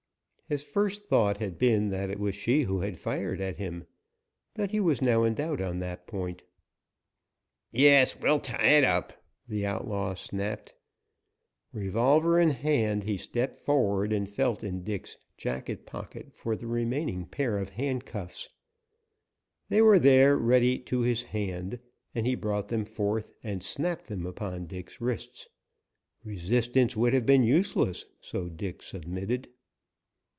His first thought had been that it was she who had fired at him. He was now in doubt on that point. "Yes, we'll tie it up," the outlaw snapped. Revolver in hand, he stepped forward and felt in Dick's jacket pocket for the remaining pair of handcuffs. They were there ready to his hand, and he brought them forth and snapped them upon Dick's wrists. Resistance would have been useless, so Dick submitted.